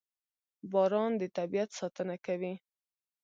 • باران د طبیعت ساتنه کوي.